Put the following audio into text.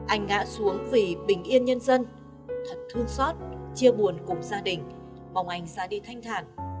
anh ngã xuống vì bình yên nhân dân thật thương xót chia buồn cùng gia đình mong anh ra đi thanh thản